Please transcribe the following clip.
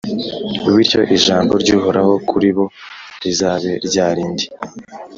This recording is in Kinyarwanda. Bityo ijambo ry’Uhoraho kuri bo, rizabe rya rindi: